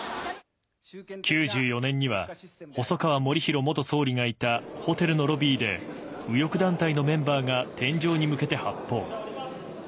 ９４年には、細川護熙元総理がいたホテルのロビーで、右翼団体のメンバーが天井に向けて発砲。